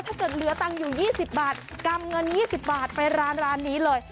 ถ้าเกิดเหลือตังค์อยู่๒๐บาทกำเงิน๒๐บาทไปร้านนี้เลย